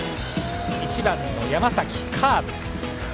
１番、山崎はカーブ。